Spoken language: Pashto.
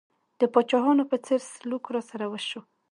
د پاچاهانو په څېر سلوک راسره وشو.